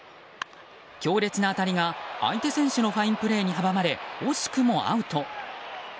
強烈な当たりが相手選手のファインプレーに阻まれ惜しくもアウト。